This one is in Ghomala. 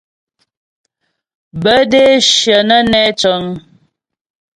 Bə́ də́ shyə nə́ nɛ cə̂ŋ.